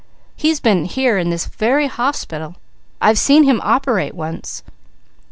He's been here in this very hospital; I've seen him operate once.